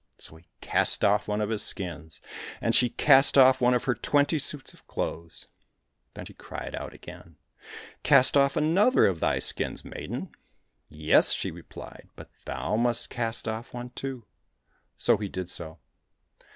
— So he cast off one of his skins, and she cast off one of her twenty suits of clothes. Then he cried out again, " Cast off another of thy skins, maiden." —" Yes," she replied, *' but thou must cast off one too !"— So he did so.